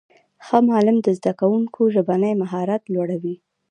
ښه معلم د زدهکوونکو ژبنی مهارت لوړوي.